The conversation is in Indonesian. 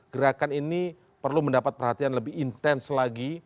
gerakan ini perlu mendapat perhatian lebih intens lagi